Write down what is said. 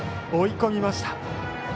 追い込みました。